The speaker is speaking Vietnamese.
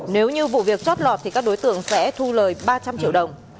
nếu như vụ việc chót lọt thì các đối tượng sẽ thu lời ba trăm linh triệu đồng